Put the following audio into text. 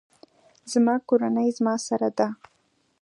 زما کورنۍ زما سره ده